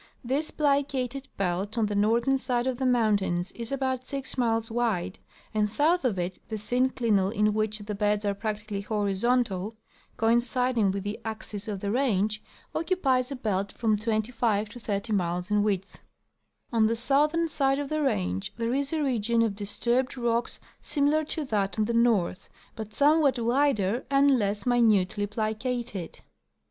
This plicated belt on the northern side of the mountains is about six miles wide, and south of it the synclinal in which the beds are practically horizontal (coinciding with the axis of the range) occupies a belt from twenty five to thirty miles in width. Typical overthrust Faulting. 141 On the southern side of the range there is a region of disturbed rocks similar to that on the north, but somewhat wider and less minutely i^licated.